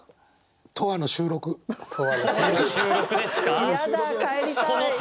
永遠の収録ですか？